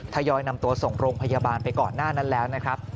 ยอยนำตัวส่งโรงพยาบาลไปก่อนหน้านั้นแล้วนะครับ